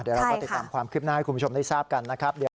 เดี๋ยวเราก็ติดตามความคืบหน้าให้คุณผู้ชมได้ทราบกันนะครับ